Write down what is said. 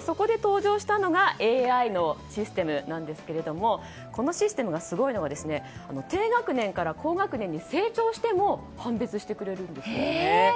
そこで登場したのがＡＩのシステムなんですがこのシステムがすごいのは低学年から高学年に成長しても判別してくれるんですよね。